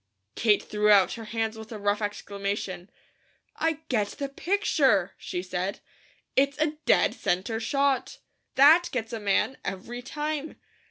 Kate threw out her hands with a rough exclamation. "I get the picture!" she said. "It's a dead centre shot. THAT gets a man, every time.